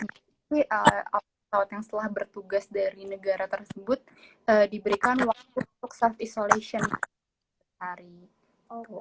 tapi apa yang selesai bertugas dari negara tersebut diberikan waktu untuk self isolation hari ini